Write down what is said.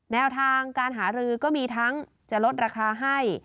แนวทางการหารือก็มีทั้งจะลดราคาให้